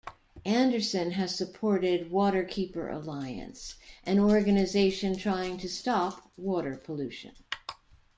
Anderson has supported Waterkeeper Alliance, an organization trying to stop water pollution.